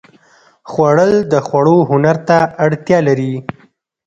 خوړل د خوړو هنر ته اړتیا لري